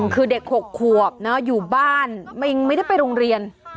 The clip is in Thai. คือเด็ก๖ขวบอยู่บ้านไม่ได้ไปโรงเรียน